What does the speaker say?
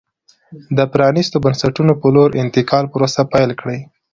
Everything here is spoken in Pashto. د پرانېستو بنسټونو په لور انتقال پروسه پیل کړي.